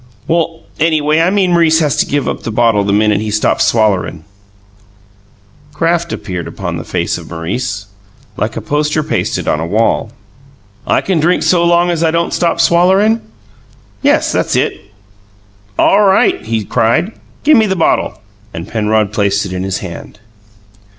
"Well, anyway, I mean M'rice has to give the bottle up the minute he stops swallering." Craft appeared upon the face of Maurice, like a poster pasted on a wall. "I can drink so long I don't stop swallering?" "Yes; that's it." "All right!" he cried. "Gimme the bottle!" And Penrod placed it in his hand.